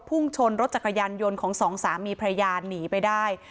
พุ่งชนรถจักรยานยนต์ของสองสามีพระยาหนีไปได้